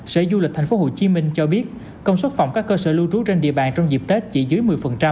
sở du lịch thành phố hồ chí minh cho biết công suất phòng các cơ sở lưu trú trên địa bàn trong dịp tết chỉ dưới một mươi